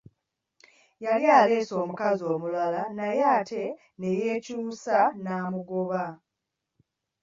Yali aleese omukazi omulala naye ate ne yeekyusa n'amugoba.